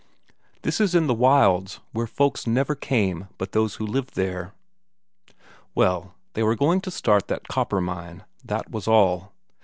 This is in the wilds, where folk never came but those who lived there? Well, they were going to start that copper mine, that was all.